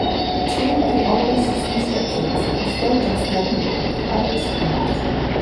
Two of the obelisk's inscriptions are still just legible: others are not.